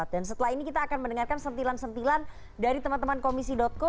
dan setelah ini kita akan mendengarkan sentilan sentilan dari teman teman komisi co